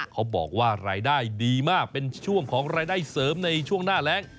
เขาบอกว่ารายได้ดีมากเป็นช่วงของรายได้เสริมในช่วงหน้าแรง